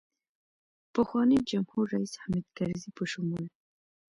پخواني جمهورریس حامدکرزي په شمول.